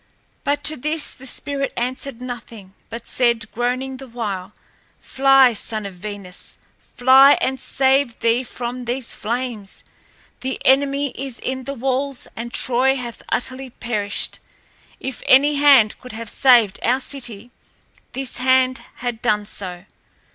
But to this the spirit answered nothing, but said, groaning the while, "Fly, son of Venus, fly and save thee from these flames. The enemy is in the walls and Troy hath utterly perished. If any hand could have saved our city, this hand had done so.